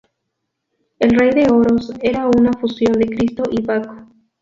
El Rey de Oros era una fusión de Cristo y Baco.